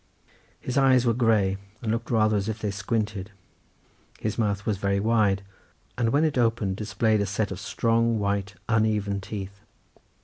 His eyes were grey and looked rather as if they squinted; his mouth was very wide, and when it opened displayed a set of strong white, uneven teeth.